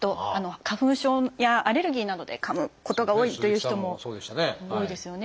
花粉症やアレルギーなどでかむことが多いという人も多いですよね。